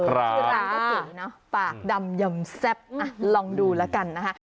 ชื่อร้านก็เก๋เนอะปากดำยำแซ่บอ่ะลองดูแล้วกันนะคะ